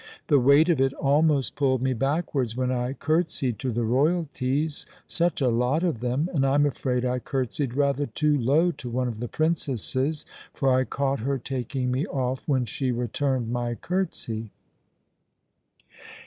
The weight of it almost pulled me backwards when I curt sied to the royalties — such a lot of them, and I'm afraid I curtsied rather too low to one of the Princesses, for I caught her taking me off when she returned my curtsy."